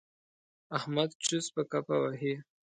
احمد چوس په کفه وهي.